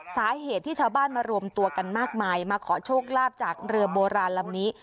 สาเหตุที่ชาวบ้านมารวมตัวกันมากมายมาขอโชคลาภจากเรือโบราณลำนี้